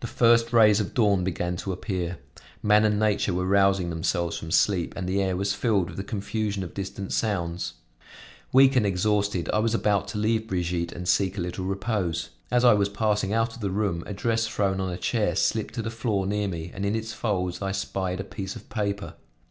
The first rays of dawn began to appear: man and nature were rousing themselves from sleep and the air was filled with the confusion of distant sounds. Weak and exhausted I was about to leave Brigitte, and seek a little repose. As I was passing out of the room, a dress thrown on a chair slipped to the floor near me, and in its folds I spied a piece of paper.